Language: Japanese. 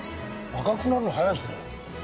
赤くなるの早いですね。